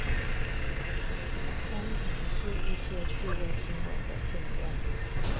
通常是一些趣味新聞的片段